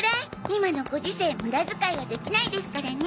今のご時世無駄遣いはできないですからね。